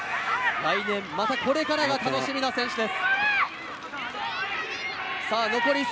来年、またこれからが楽しみな選手です。